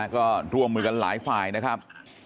ก็ร่วมมือกันหลายฝ่ายนะครับ